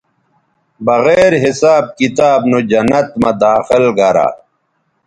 بغیر حساب کتاب نو جنت مہ داخل گرا